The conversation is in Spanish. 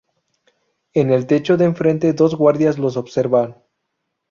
En el techo de enfrente dos guardias los observan.